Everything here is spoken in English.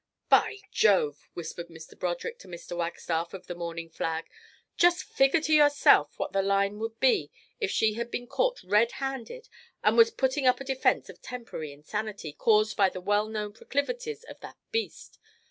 "By Jove!" whispered Mr. Broderick to Mr. Wagstaff of the Morning Flag, "just figure to yourself what the line would be if she had been caught red handed and was putting up a defence of temporary insanity caused by the well known proclivities of that beast.